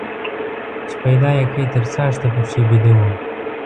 چې پيدا يې کى تر څاښته پکښي بيده وو.